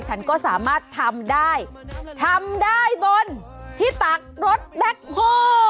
ฉันก็สามารถทำได้ทำได้บนที่ตักรถแบ็คโฮ